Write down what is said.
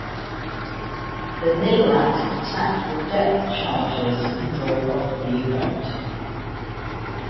The "Niblack" attacked with depth charges and drove off the U-boat.